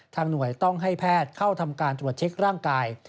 หน่วยต้องให้แพทย์เข้าทำการตรวจเช็คร่างกาย